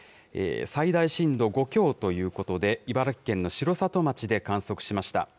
最大震度５強ということで、茨城県の城里町で観測しました。